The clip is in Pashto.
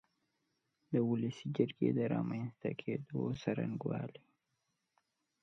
د ولسي جرګې د رامنځ ته کېدو څرنګوالی